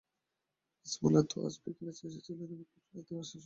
Miss Muller তো আজ বিকালে এসেছিলেন এবং এঁদের আসার সঙ্গে সঙ্গে চলে যান।